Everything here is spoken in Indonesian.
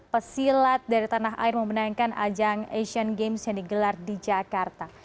pesilat dari tanah air memenangkan ajang asian games yang digelar di jakarta